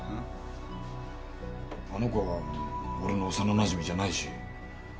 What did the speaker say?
あのコは俺の幼なじみじゃないし。